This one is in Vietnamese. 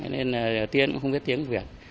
nên tiên cũng không biết tiếng việt